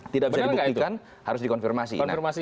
tidak bisa dibuktikan harus dikonfirmasi